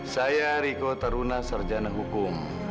saya riko taruna sarjana hukum